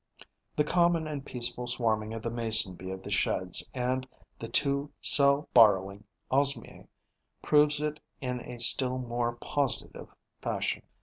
The common and peaceful swarming of the Mason bee of the Sheds and the two cell borrowing Osmiae proves it in a still more positive fashion.